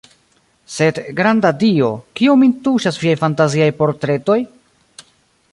Sed, granda Dio, kio min tuŝas viaj fantaziaj portretoj?